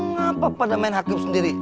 mengapa pada main hakim sendiri